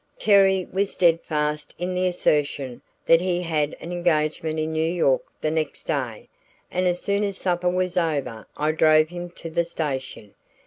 Terry was steadfast in the assertion that he had an engagement in New York the next day, and as soon as supper was over I drove him to the station.